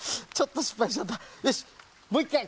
よしもう１かい。